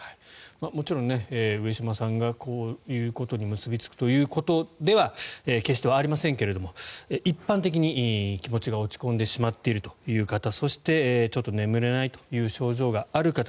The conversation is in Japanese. もちろん上島さんがこういうことに結びつくということでは決してありませんが一般的に気持ちが落ち込んでしまっているという方そして、ちょっと眠れないという症状がある方